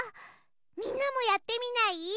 みんなもやってみない？